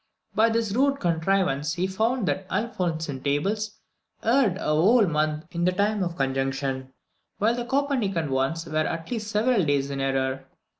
By this rude contrivance he found that the Alphonsine Tables erred a whole month in the time of conjunction, while the Copernican ones were at least several days in error.